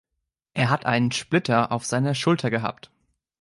Er hat einen Splitter auf seiner Schulter gehabt.